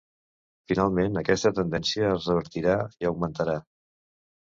Finalment, aquesta tendència es revertirà i augmentarà.